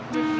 ya udah deh